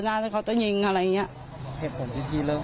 ว่าสักวันนึงก็ต้องเป็น